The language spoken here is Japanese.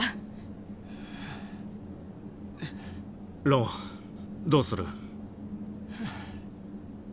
ロンどうする？